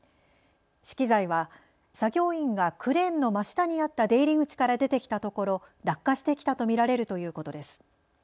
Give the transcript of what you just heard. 資機材は作業員がクレーンの真下にあった出入り口から出てきたところ落下してきたと見られるということです。